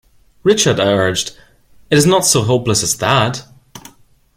"Richard," I urged, "it is not so hopeless as that?"